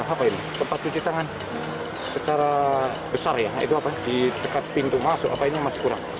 apa ini tempat cuci tangan secara besar ya itu apa di dekat pintu masuk apa ini masih kurang